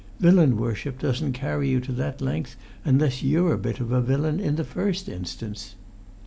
Villain worship doesn't carry you to that length unless you're a bit of a villain in the first instance."